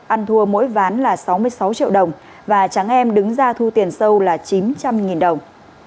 ăn thua mỗi ván là sáu mươi sáu triệu đồng và tráng em đứng ra thu tiền sâu là chín trăm linh đồng